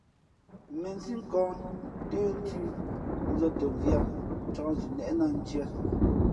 Měnsǐ nkᾱᾱ ntə́nthʉ̄, nzᾱ tα mviāt , ncāk zʉʼnnéʼnā ndiē.